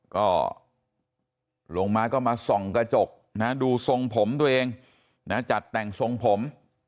ก็ลงมาก็มาส่องกระจกนะดูทรงผมตัวเองนะจัดแต่งทรงผม